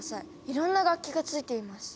いろんな楽器がついています。